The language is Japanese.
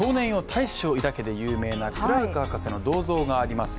大志を抱け」で有名なクラーク博士の銅像があります